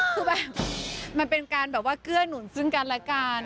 คือแบบมันเป็นการแบบว่าเกื้อหนุนซึ่งกันและกัน